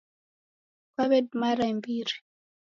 Kwaw'edimara imbiri